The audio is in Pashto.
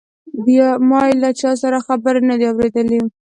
ما یې له چا سره خبرې نه دي اوریدلې.